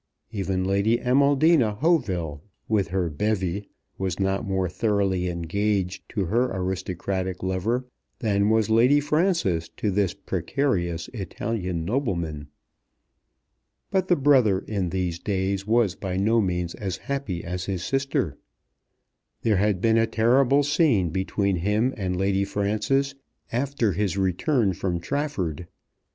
Even Lady Amaldina Hauteville with her bevy was not more thoroughly engaged to her aristocratic lover than was Lady Frances to this precarious Italian nobleman. But the brother in these days was by no means as happy as his sister. There had been a terrible scene between him and Lady Frances after his return from Trafford.